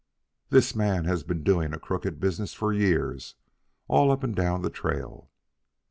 "This man has been doing a crooked business for years, all up and down the trail.